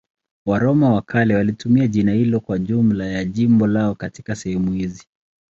Waroma wa kale walitumia jina hilo kwa jumla ya jimbo lao katika sehemu hizi.